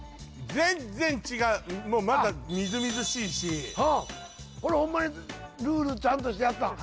全然違うまだみずみずしいしこれホンマにルールちゃんとしてやったん？